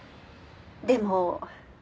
でも。